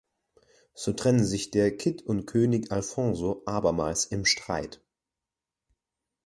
So trennen sich der Cid und König Alfonso abermals im Streit.